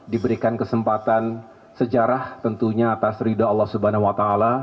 diberikan kesempatan sejarah tentunya atas ridha allah swt